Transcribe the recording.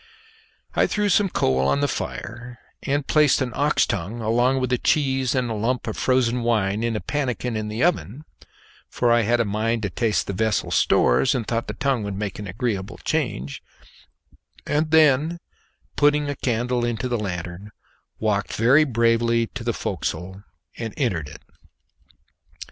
I threw some coal on the fire, and placed an ox tongue along with the cheese and a lump of the frozen wine in a pannikin in the oven (for I had a mind to taste the vessel's stores, and thought the tongue would make an agreeable change), and then putting a candle into the lanthorn walked very bravely to the forecastle and entered it.